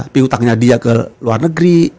piutangnya dia ke luar negeri